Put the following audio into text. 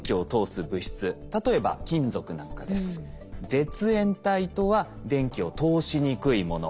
絶縁体とは電気を通しにくいもの。